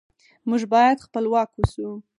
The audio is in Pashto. موږ باید خپلواک اوسو.